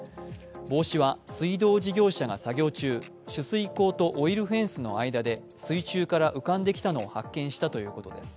帽子は水道事業者が作業中、取水口とオイルフェンスの間で水中から浮かんできたのを発見したということです。